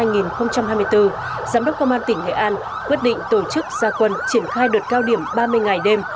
giám đốc công an tỉnh nghệ an quyết định tổ chức gia quân triển khai đợt cao điểm ba mươi ngày đêm